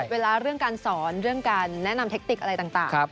เวลาเรื่องการสอนเรื่องการแนะนำเทคติกอะไรต่าง